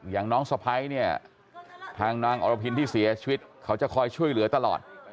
อย่างน้องสะพ้ายเนี่ยทางนางอรพินที่เสียชีวิตเขาจะคอยช่วยเหลือตลอด